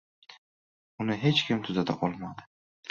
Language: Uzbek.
Uni hech kim tuzata olmadi.